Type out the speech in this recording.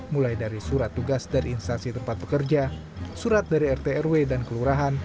mulai dari surat tugas dari instansi tempat pekerja surat dari rt rw dan kelurahan